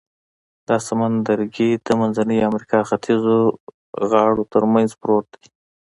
دا سمندرګي د منځنۍ امریکا ختیځو غاړو تر منځ پروت دی.